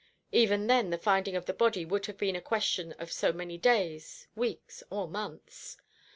Even then the finding of the body would have been a question of so many days, weeks, or months.